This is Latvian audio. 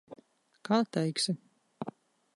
Kā teiksi.